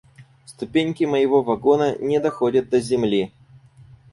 Ступеньки моего вагона не доходят до земли.